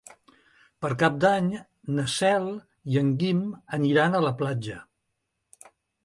Per Cap d'Any na Cel i en Guim aniran a la platja.